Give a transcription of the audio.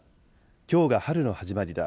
きょうが春の始まりだ。